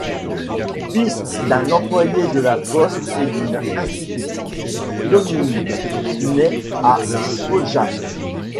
Fils d'un employé de la poste et d'une institutrice, Lomnicki naît à Podhajce.